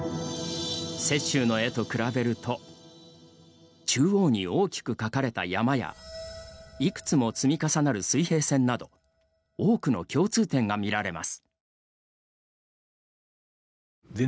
雪舟の絵と比べると中央に大きく描かれた山やいくつも積み重なる水平線など多くの共通点が見られます。